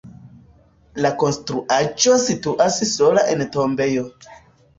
La konstruaĵo situas sola en tombejo.